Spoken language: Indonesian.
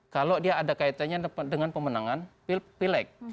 kalau dia ada kaitannya dengan pemenangan pileg